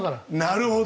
なるほど！